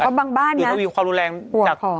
อะไรแบบนี้มั้ย